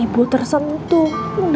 suara kamu indah sekali